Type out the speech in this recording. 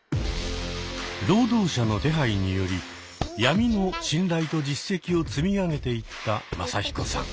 労働者の手配により闇の信頼と実績を積み上げていったマサヒコさん。